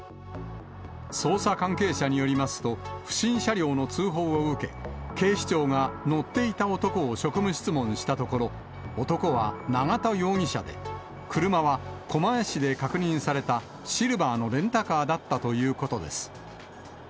捜査関係者によりますと、不審車両の通報を受け、警視庁が乗っていた男を職務質問したところ、男は永田容疑者で、車は狛江市で確認されたシルバーのレンタカーだったということです。